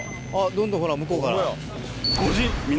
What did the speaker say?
どんどん向こうから。